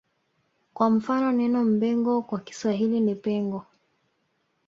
Kwa mfano neno Mbengo kwa Kiswahili ni Pengo